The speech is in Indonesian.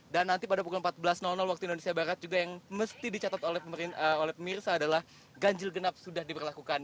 dan nanti pada pukul empat belas waktu indonesia barat juga yang mesti dicatat oleh pemirsa adalah ganjil genap sudah diperlakukan